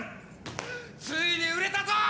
ついに売れたぞ！